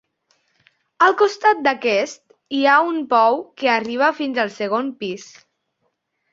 Al costat d'aquests hi ha un pou que arriba fins al segon pis.